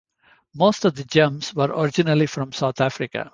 Most of the gems were originally from South Africa.